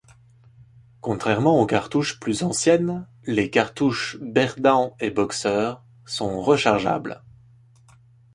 Contrairement aux cartouches plus anciennes, les cartouches Berdan et Boxer sont rechargeables.